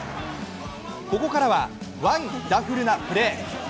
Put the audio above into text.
ここからはワンダフルなプレー。